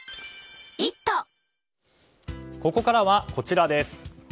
ここからは、こちらです。